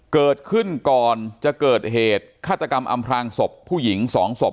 เกิดขึ้นก่อนจะเกิดเหตุฆาตกรรมอำพลางศพผู้หญิง๒ศพ